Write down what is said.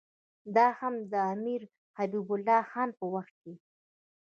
دا هم د امیر حبیب الله خان په وخت کې.